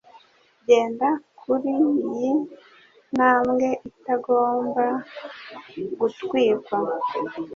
genda kuriyi ntambwe itagomba gutwikwa